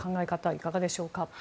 いかがでしょうか？